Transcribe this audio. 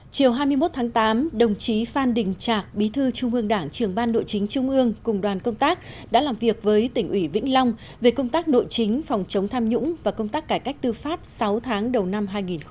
chiều hai mươi một tháng tám đồng chí phan đình trạc bí thư trung ương đảng trường ban nội chính trung ương cùng đoàn công tác đã làm việc với tỉnh ủy vĩnh long về công tác nội chính phòng chống tham nhũng và công tác cải cách tư pháp sáu tháng đầu năm hai nghìn một mươi chín